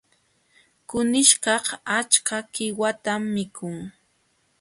Kunishkaq achka qiwatam mikun.